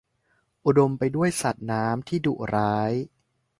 อุดมไปด้วยสัตว์น้ำที่ดุร้าย